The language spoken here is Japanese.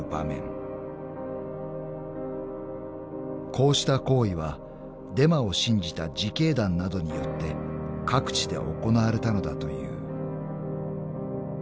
［こうした行為はデマを信じた自警団などによって各地で行われたのだという］